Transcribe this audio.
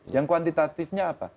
yang kuantitatifnya apa